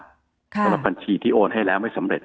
สำหรับบัญชีที่โอนให้แล้วไม่สำเร็จ